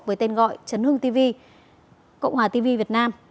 với tên gọi chấn hương tv cộng hòa tv việt nam